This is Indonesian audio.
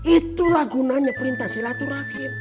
itulah gunanya perintah silaturahim